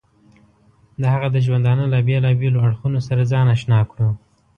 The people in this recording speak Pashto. د هغه د ژوندانه له بېلابېلو اړخونو سره ځان اشنا کړو.